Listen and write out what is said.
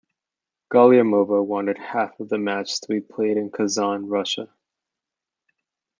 Galliamova wanted half of the match to be played in Kazan, Russia.